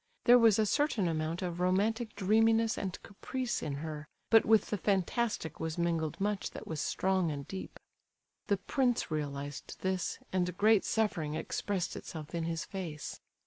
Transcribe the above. There was a certain amount of romantic dreaminess and caprice in her, but with the fantastic was mingled much that was strong and deep. The prince realized this, and great suffering expressed itself in his face.